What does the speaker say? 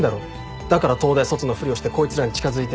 だから東大卒のふりをしてこいつらに近づいて。